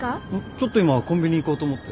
ちょっと今コンビニ行こうと思って。